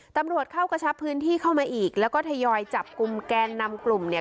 ตำรวจเข้ากระชับพื้นที่เข้ามาอีกแล้วก็ทยอยจับกลุ่มแกนนำกลุ่มเนี่ย